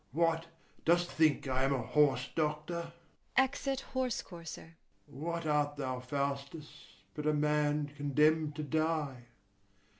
what, dost think I am a horse doctor? [Exit HORSE COURSER.] What art thou, Faustus, but a man condemn'd to die?